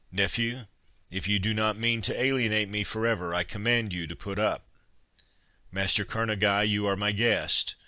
Nephew, if you do not mean to alienate me for ever, I command you to put up.—Master Kerneguy, you are my guest.